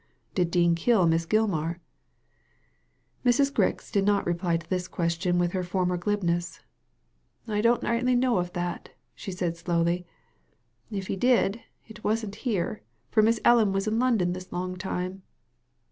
"Did Dean kill Miss Gilmar?" Mrs. Grix did not reply to this question with her former glibness. " I don't rightly know of that," she said slowly. "If he did, it wasn't here, for Miss Ellen was in London this long time."